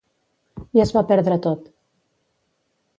I es va perdre tot.